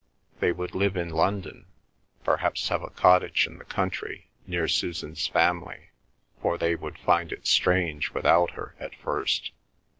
They would live in London, perhaps have a cottage in the country near Susan's family, for they would find it strange without her at first.